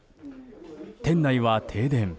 店内は停電。